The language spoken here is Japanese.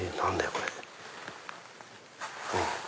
これ。